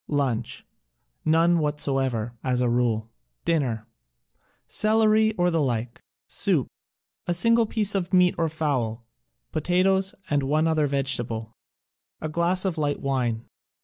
Lunch: None whatsoever, as a rule. Dinner: Celeiy or the like, soup, a single piece of meat or fowl, potatoes and one other vegetable; a glass of light wine.